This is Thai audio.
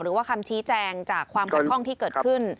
หรือว่าคำชี้แจงจากความขัดข้องที่เกิดขึ้น